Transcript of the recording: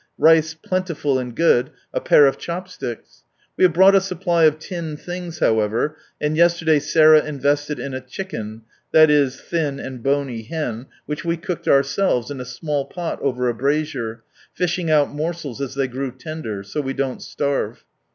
Rice plentiful and good, a pair of chopsticks. We have brought a supply of tinned things however, and yesterday Sarah invested in a chicken (i.e. thin and bony hen), which we cooked our selves in a small pot over a brazier, tishing out morsels as tliey grew lender— so we don't starve.